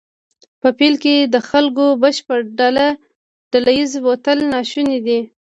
په پیل کې د خلکو بشپړ ډله ایز وتل ناشونی دی.